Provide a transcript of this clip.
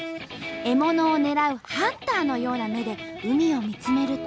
獲物を狙うハンターのような目で海を見つめると。